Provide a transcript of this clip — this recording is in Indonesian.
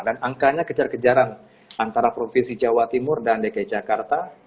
dan angkanya kejar kejaran antara provinsi jawa timur dan dki jakarta